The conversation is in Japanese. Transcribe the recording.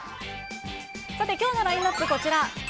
さてきょうのラインナップこちら。